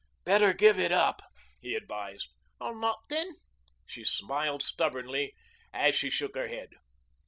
"Better give it up," he advised. "I'll not then." She smiled stubbornly as she shook her head.